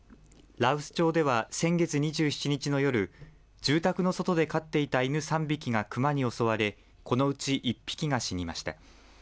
羅臼町では先月２７日の夜住宅の外で飼っていた犬３匹がクマに襲われ、このうち１匹が死にました。